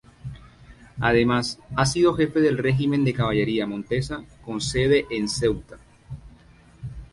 Además, ha sido jefe del Regimiento de Caballería Montesa con sede en Ceuta.